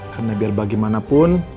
dan saya berharap